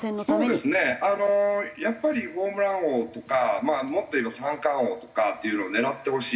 そうですねやっぱりホームラン王とかもっと言えば三冠王とかっていうのを狙ってほしい。